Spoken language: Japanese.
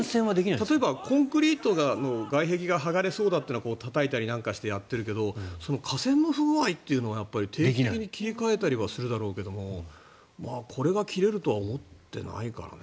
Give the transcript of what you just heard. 例えばコンクリートの外壁が剥がれそうだっていうのはたたいたりなんかしてやっているけど架線の不具合っていうのは定期的に切り替えたりはするだろうけどこれが切れるとは思っていないからね。